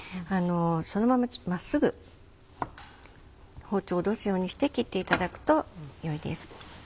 そのまま真っすぐ包丁を下ろすようにして切っていただくとよいです。